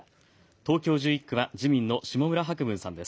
東京１１区は自民の下村博文さんです。